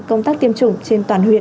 công tác tiêm chủng trên toàn huyện